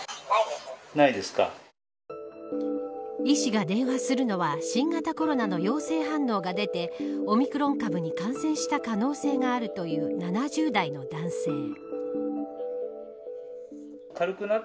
医師が電話するのは新型コロナの陽性反応が出てオミクロン株に感染した可能性があるという７０代の男性。